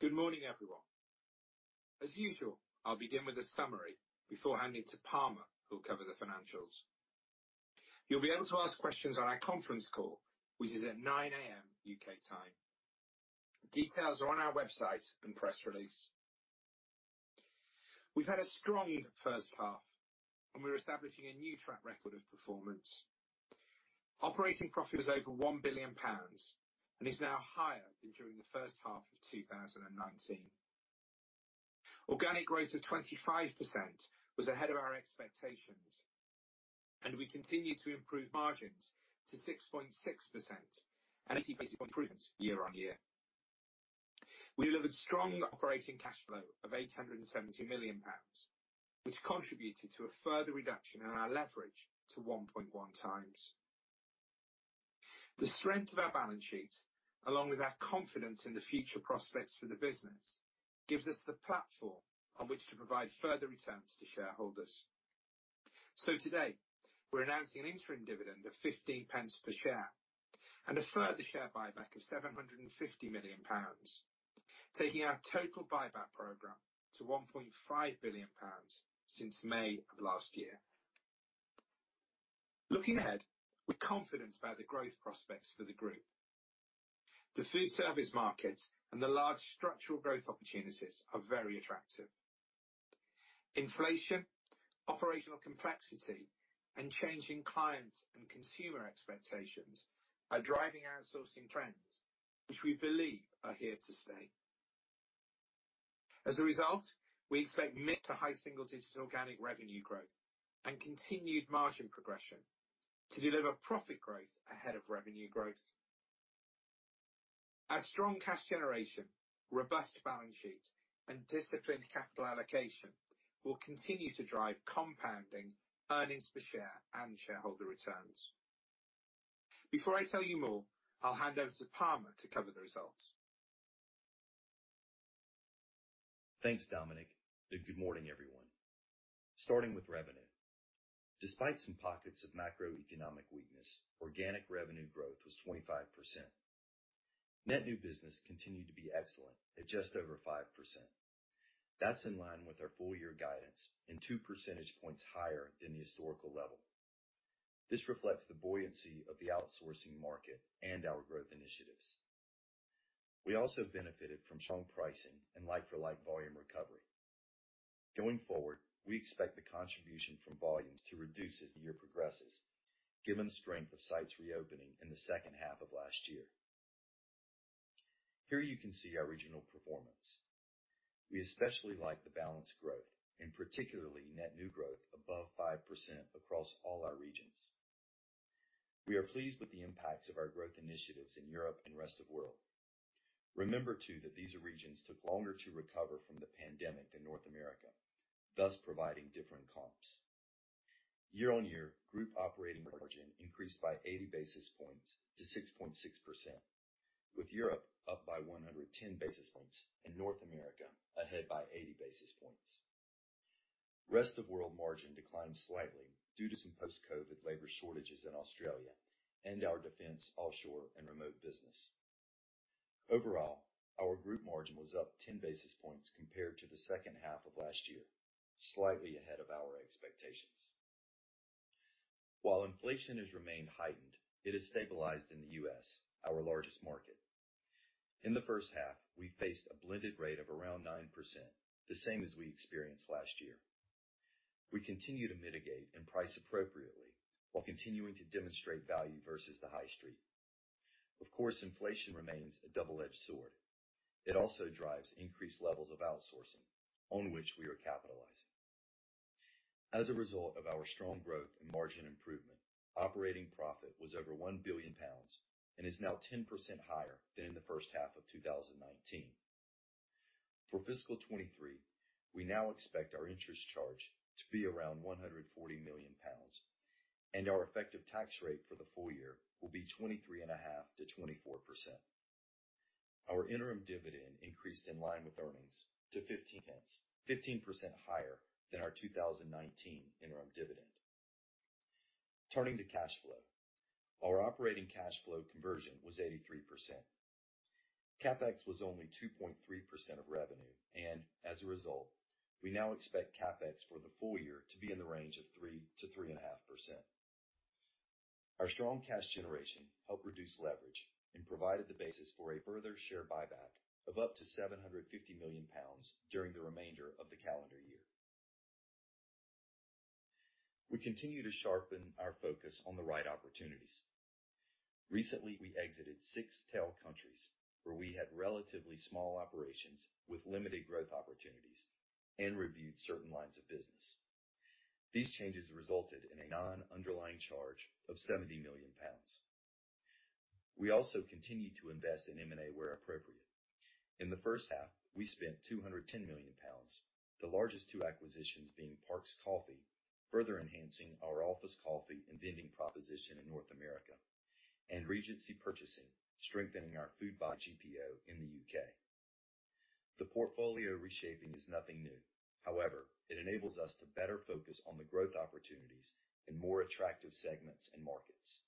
Good morning, everyone. As usual, I'll begin with a summary before handing to Palmer, who'll cover the financials. You'll be able to ask questions on our conference call, which is at 9:00 A.M. U.K. time. Details are on our website and press release. We've had a strong first half. We're establishing a new track record of performance. Operating profit is over 1 billion pounds and is now higher than during the first half of 2019. Organic growth of 25% was ahead of our expectations, and we continue to improve margins to 6.6% and 80 basis point improvements year-on-year. We delivered strong operating cash flow of 870 million pounds, which contributed to a further reduction in our leverage to 1.1x. The strength of our balance sheet, along with our confidence in the future prospects for the business, gives us the platform on which to provide further returns to shareholders. Today, we're announcing an interim dividend of 15 pence per share and a further share buyback of 750 million pounds, taking our total buyback program to 1.5 billion pounds since May of last year. Looking ahead, we're confident about the growth prospects for the group. The food service markets and the large structural growth opportunities are very attractive. Inflation, operational complexity, and changing client and consumer expectations are driving outsourcing trends which we believe are here to stay. As a result, we expect mid to high single-digit organic revenue growth and continued margin progression to deliver profit growth ahead of revenue growth. Our strong cash generation, robust balance sheet, and disciplined capital allocation will continue to drive compounding earnings per share and shareholder returns. Before I tell you more, I'll hand over to Palmer to cover the results. Thanks, Dominic. Good morning, everyone. Starting with revenue. Despite some pockets of macroeconomic weakness, organic revenue growth was 25%. Net new business continued to be excellent at just over 5%. That's in line with our full year guidance and two percentage points higher than the historical level. This reflects the buoyancy of the outsourcing market and our growth initiatives. We also benefited from strong pricing and like-for-like volume recovery. Going forward, we expect the contribution from volumes to reduce as the year progresses, given the strength of sites reopening in the second half of last year. Here you can see our regional performance. We especially like the balanced growth and particularly net new growth above 5% across all our regions. We are pleased with the impacts of our growth initiatives in Europe and rest of world. Remember, too, that these regions took longer to recover from the pandemic than North America, thus providing different comps. Year-on-year group operating margin increased by 80 basis points to 6.6%, with Europe up by 110 basis points and North America ahead by 80 basis points. Rest of world margin declined slightly due to some post-COVID labor shortages in Australia and our Defence, Offshore and Remote business. Overall, our group margin was up 10 basis points compared to the second half of last year, slightly ahead of our expectations. While inflation has remained heightened, it has stabilized in the U.S., our largest market. In the first half, we faced a blended rate of around 9%, the same as we experienced last year. We continue to mitigate and price appropriately while continuing to demonstrate value versus the High Street. Of course, inflation remains a double-edged sword. It also drives increased levels of outsourcing, on which we are capitalizing. As a result of our strong growth and margin improvement, operating profit was over 1 billion pounds and is now 10% higher than in the first half of 2019. For fiscal 2023, we now expect our interest charge to be around 140 million pounds, and our effective tax rate for the full year will be 23.5%-24%. Our interim dividend increased in line with earnings to 15 pence, 15% higher than our 2019 interim dividend. Turning to cash flow. Our operating cash flow conversion was 83%. CapEx was only 2.3% of revenue, and as a result, we now expect CapEx for the full year to be in the range of 3%-3.5%. Our strong cash generation helped reduce leverage and provided the basis for a further share buyback of up to 750 million pounds during the remainder of the calendar year. We continue to sharpen our focus on the right opportunities. Recently, we exited six tail countries where we had relatively small operations with limited growth opportunities and reviewed certain lines of business. These changes resulted in a non-underlying charge of 70 million pounds. We also continued to invest in M&A where appropriate. In the first half, we spent 210 million pounds, the largest two acquisitions being Parks Coffee, further enhancing our office coffee and vending proposition in North America, and Regency Purchasing, strengthening our Foodbuy GPO in the U.K. The portfolio reshaping is nothing new. It enables us to better focus on the growth opportunities in more attractive segments and markets.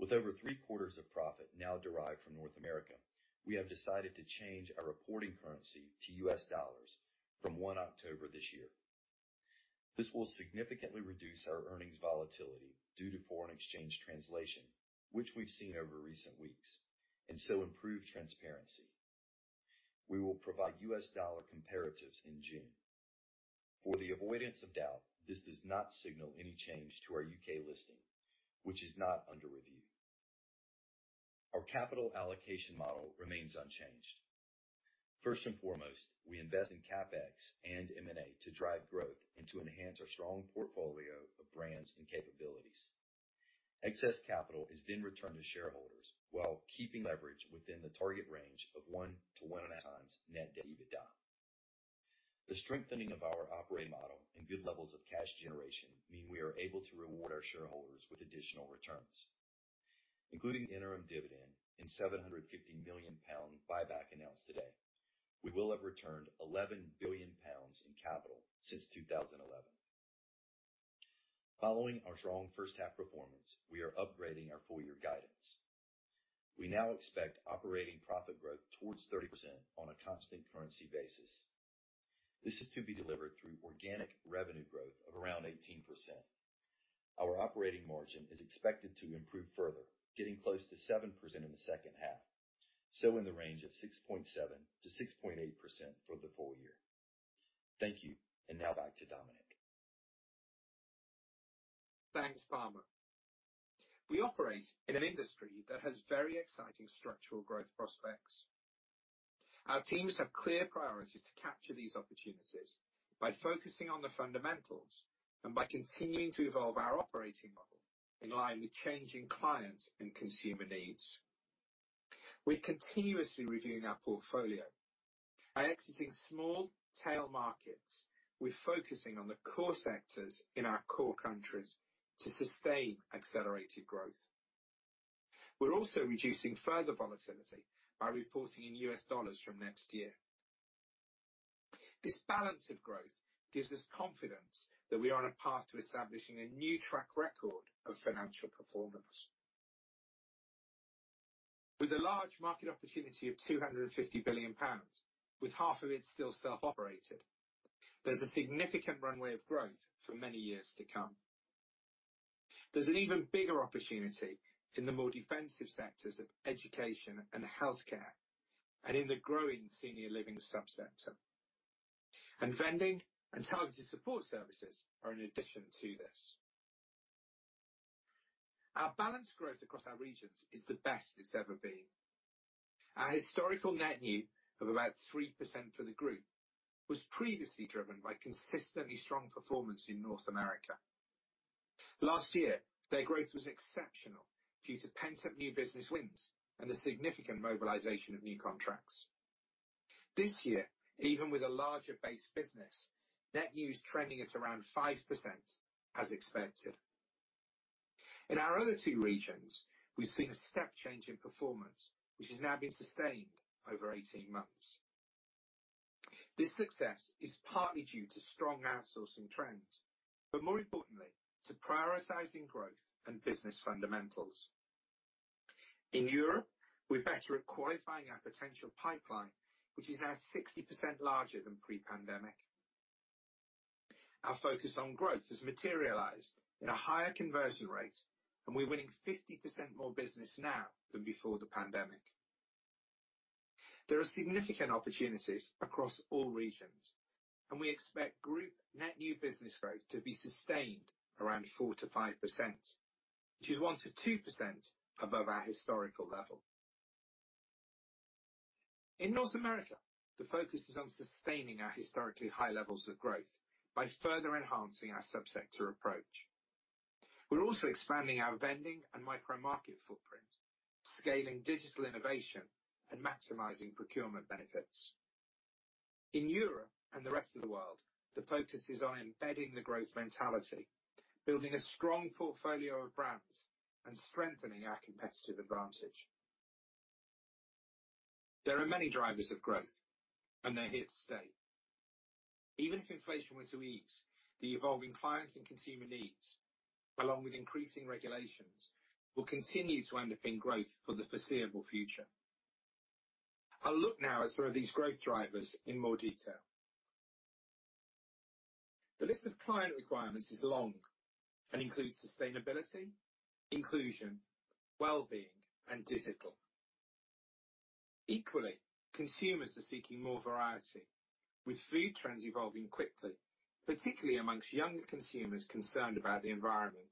With over three-quarters of profit now derived from North America, we have decided to change our reporting currency to U.S. dollars from October 1 this year. This will significantly reduce our earnings volatility due to foreign exchange translation, which we've seen over recent weeks, and so improve transparency. We will provide U.S. dollar comparatives in June. For the avoidance of doubt, this does not signal any change to our U.K. listing, which is not under review. Our capital allocation model remains unchanged. First and foremost, we invest in CapEx and M&A to drive growth and to enhance our strong portfolio of brands and capabilities. Excess capital is then returned to shareholders while keeping leverage within the target range of 1x-1.5x net debt EBITDA. The strengthening of our operating model and good levels of cash generation mean we are able to reward our shareholders with additional returns. Including the interim dividend and 750 million pound buyback announced today, we will have returned 11 billion pounds in capital since 2011. Following our strong first half performance, we are upgrading our full year guidance. We now expect operating profit growth towards 30% on a constant currency basis. This is to be delivered through organic revenue growth of around 18%. Our operating margin is expected to improve further, getting close to 7% in the second half, so in the range of 6.7%-6.8% for the full year. Thank you. Now back to Dominic. Thanks, Dominic. We operate in an industry that has very exciting structural growth prospects. Our teams have clear priorities to capture these opportunities by focusing on the fundamentals and by continuing to evolve our operating model in line with changing clients and consumer needs. We're continuously reviewing our portfolio. By exiting small tail markets, we're focusing on the core sectors in our core countries to sustain accelerated growth. We're also reducing further volatility by reporting in U.S. dollars from next year. This balance of growth gives us confidence that we are on a path to establishing a new track record of financial performance. With a large market opportunity of 250 billion pounds, with half of it still self-operated, there's a significant runway of growth for many years to come. There's an even bigger opportunity in the more defensive sectors of education and healthcare, and in the growing senior living subsector. Vending and targeted support services are an addition to this. Our balanced growth across our regions is the best it's ever been. Our historical net new of about 3% for the group was previously driven by consistently strong performance in North America. Last year, their growth was exceptional due to pent-up net new business wins and the significant mobilization of new contracts. This year, even with a larger base business, net new is trending at around 5% as expected. In our other two regions, we've seen a step change in performance, which has now been sustained over 18 months. This success is partly due to strong outsourcing trends, but more importantly, to prioritizing growth and business fundamentals. In Europe, we're better at qualifying our potential pipeline, which is now 60% larger than pre-pandemic. Our focus on growth has materialized in a higher conversion rate, and we're winning 50% more business now than before the pandemic. There are significant opportunities across all regions, and we expect group net new business growth to be sustained around 4%-5%, which is 1%-2% above our historical level. In North America, the focus is on sustaining our historically high levels of growth by further enhancing our subsector approach. We're also expanding our vending and micro-market footprint, scaling digital innovation and maximizing procurement benefits. In Europe and the rest of the world, the focus is on embedding the growth mentality, building a strong portfolio of brands and strengthening our competitive advantage. There are many drivers of growth, and they're here to stay. Even if inflation were to ease, the evolving clients and consumer needs, along with increasing regulations, will continue to underpin growth for the foreseeable future. I'll look now at some of these growth drivers in more detail. The list of client requirements is long and includes sustainability, inclusion, well-being, and digital. Equally, consumers are seeking more variety, with food trends evolving quickly, particularly amongst younger consumers concerned about the environment.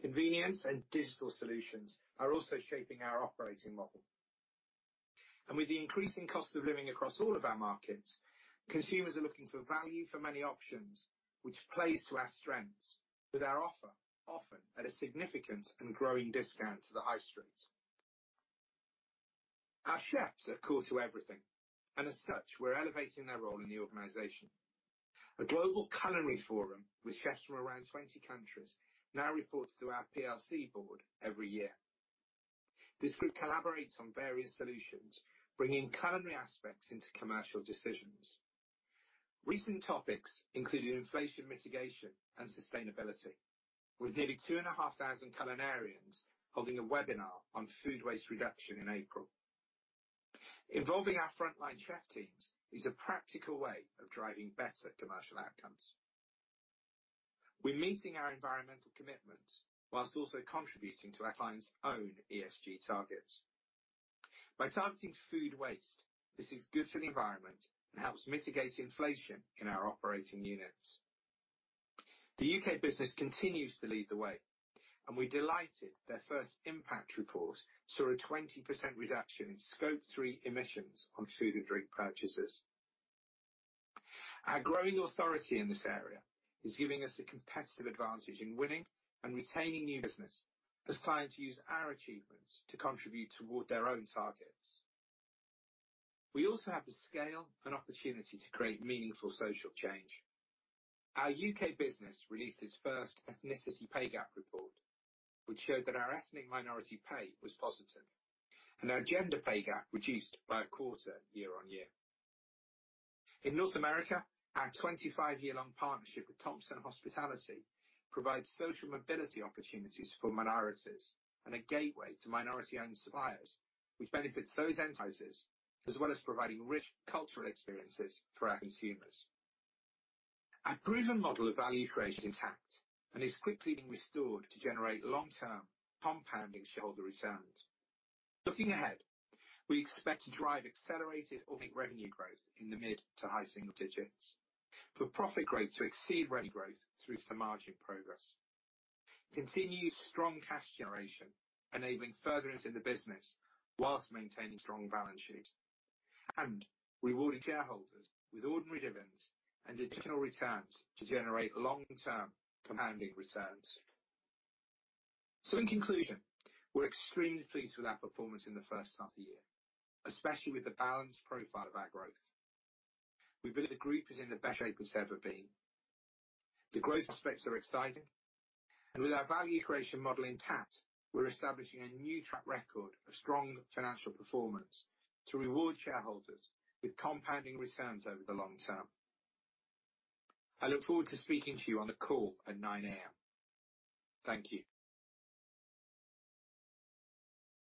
Convenience and digital solutions are also shaping our operating model. With the increasing cost of living across all of our markets, consumers are looking for value for many options, which plays to our strengths with our offer, often at a significant and growing discount to the High Street. Our chefs are core to everything. As such, we're elevating their role in the organization. A Global Culinary Forum with chefs from around 20 countries now reports through our PLC board every year. This group collaborates on various solutions, bringing culinary aspects into commercial decisions. Recent topics including inflation mitigation and sustainability, with nearly 2,500 culinarians holding a webinar on food waste reduction in April. Involving our frontline chef teams is a practical way of driving better commercial outcomes. We're meeting our environmental commitments while also contributing to our clients' own ESG targets. By targeting food waste, this is good for the environment and helps mitigate inflation in our operating units. The U.K. business continues to lead the way. We're delighted their first impact report saw a 20% reduction in Scope 3 emissions on food and drink purchases. Our growing authority in this area is giving us a competitive advantage in winning and retaining new business as clients use our achievements to contribute toward their own targets. We also have the scale and opportunity to create meaningful social change. Our U.K. business released its first ethnicity pay gap report, which showed that our ethnic minority pay was positive, and our gender pay gap reduced by a quarter year-on-year. In North America, our 25-year-long partnership with Thompson Hospitality provides social mobility opportunities for minorities and a gateway to minority-owned suppliers, which benefits those enterprises, as well as providing rich cultural experiences for our consumers. Our proven model of value creation is intact and is quickly being restored to generate long-term compounding shareholder returns. Looking ahead, we expect to drive accelerated organic revenue growth in the mid to high single digits. For profit growth to exceed revenue growth through the margin progress. Continue strong cash generation, enabling further into the business while maintaining strong balance sheet. Rewarding shareholders with ordinary dividends and additional returns to generate long-term compounding returns. In conclusion, we're extremely pleased with our performance in the first half of the year, especially with the balanced profile of our growth. We believe the group is in the best shape it's ever been. The growth prospects are exciting, and with our value creation model intact, we're establishing a new track record of strong financial performance to reward shareholders with compounding returns over the long term. I look forward to speaking to you on the call at 9:00 A.M. Thank you.